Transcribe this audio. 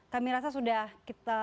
kami rasa sudah kita